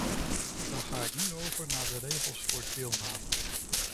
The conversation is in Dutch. Dan ga ik nu over naar de regels voor deelname.